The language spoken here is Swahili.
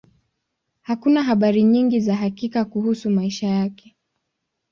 Hakuna habari nyingi za hakika kuhusu maisha yake.